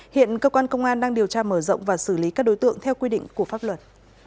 hiện cơ quan công an đang điều tra mở rộng và xử lý các đối tượng theo quy định của pháp luật